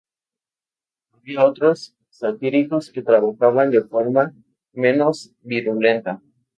Había otros satíricos que trabajaban de forma menos virulenta.